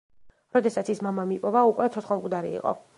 როდესაც ის მამამ იპოვა, უკვე ცოცხალ-მკვდარი იყო.